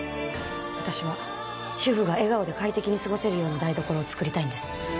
私は、主婦が笑顔で快適に過ごせるような台所を作りたいのです。